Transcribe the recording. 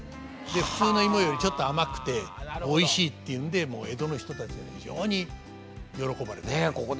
普通の芋よりちょっと甘くておいしいっていうんでもう江戸の人たちに非常に喜ばれたんです。